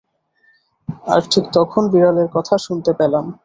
আর ঠিক তখন বিড়ালের কথা শুনতে পেলেন।